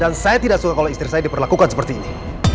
saya tidak suka kalau istri saya diperlakukan seperti ini